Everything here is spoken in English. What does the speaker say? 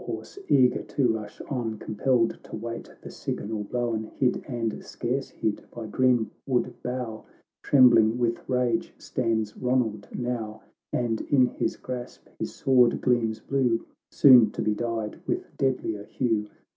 — XXVIII Like war horse eager to rush on, Compelled to wait the signal blown, Hid, and scarce hid, by green wood bough, Trembling with rage, stands Ronald now, And in his grasp his sword gleams blue, Soon to be dyed with deadlier hue.